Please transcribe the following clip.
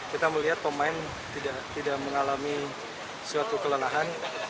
kita melihat pemain tidak mengalami suatu kelelahan